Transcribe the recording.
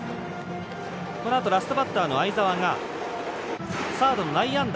このあとラストバッターの相澤がサードの内野安打。